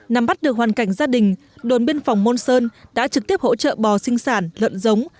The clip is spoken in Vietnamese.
nắm bắt được hoàn cảnh gia đình đồn biên phòng môn sơn đã trực tiếp hỗ trợ bò sinh sản lợn giống